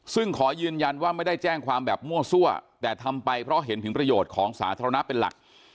ซึ่งขอยืนยันว่าไม่ได้แจ้งความแบบมั่วซั่วแต่ทำไปเพราะเห็นถึงประโยชน์ของสาธารณะเป็นหลัก